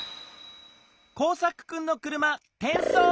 コウサクくんの車てんそう。